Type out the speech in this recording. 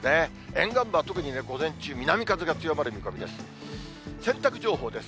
沿岸部は特に午前中、南風が強まる見込みです。